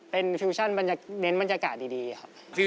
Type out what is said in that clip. เป็นฟิวชั่นเน้นบรรยากาศดีครับ